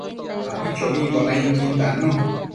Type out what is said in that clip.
Abichobimbo nainquin tannu